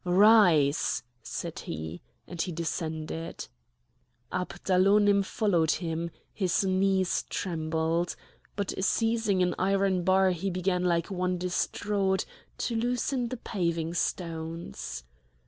"Rise!" said he; and he descended. Abdalonim followed him; his knees trembled. But seizing an iron bar he began like one distraught to loosen the paving stones.